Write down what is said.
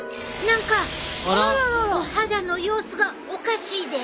何かお肌の様子がおかしいで！